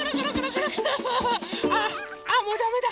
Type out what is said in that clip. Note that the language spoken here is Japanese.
ああもうだめだ。